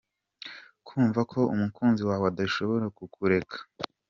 Kumva ko umukunzi wawe adashobora kukureka.